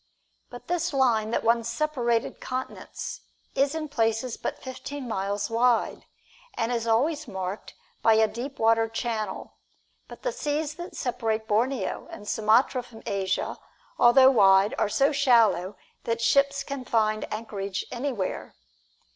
But this line that once separated continents is in places but fifteen miles wide, and is always marked by a deep water channel, but the seas that separate Borneo and Sumatra from Asia, although wide, are so shallow that ships can find anchorage anywhere.